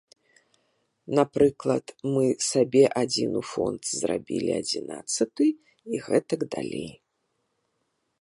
Напрыклад, мы сабе адзін у фонд зрабілі адзінаццаты і гэтак далей.